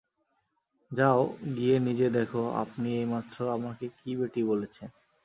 যাও গিয়ে নিজে দেখো আপনি এইমাত্র আমাকে কী বেটি বলেছেন?